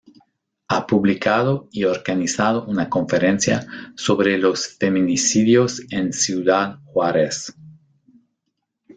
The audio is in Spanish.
Ha publicado y organizado una conferencia sobre los feminicidios en Ciudad Juárez.